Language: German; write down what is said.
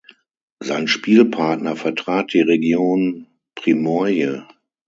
Sein Spielpartner vertrat die Region Primorje.